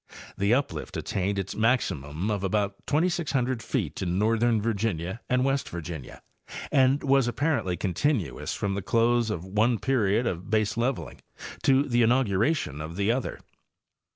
The uplift attained its maximum of about 2,600 feet in. northern Virginia and West Virginia, and was apparently continuous from the close of one period of baseleveling to the inauguration of the other.